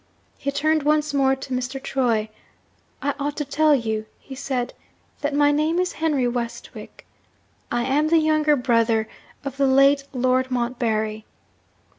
He turned once more to Mr. Troy. 'I ought to tell you,' he said, 'that my name is Henry Westwick. I am the younger brother of the late Lord Montbarry.'